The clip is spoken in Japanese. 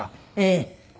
ええ。